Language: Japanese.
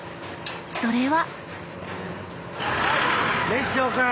それは。